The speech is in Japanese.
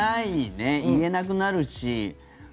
いれなくなるし。